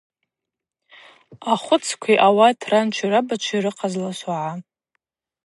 Ахвыцкви ауат ранчва-рабачви рыхъазла согӏа.